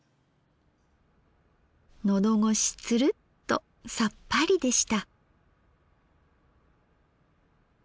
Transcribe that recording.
のどごしツルッとさっぱりでした。